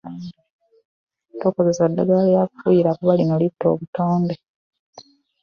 Tokozesa ddagala lya kufuuyira kuba lino litta obutonde.